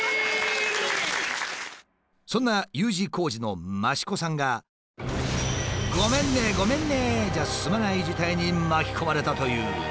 そんなＵ字工事の益子さんが「ごめんねごめんね」じゃすまない事態に巻き込まれたという。